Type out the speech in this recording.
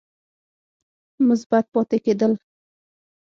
مثبت پاتې کېد ل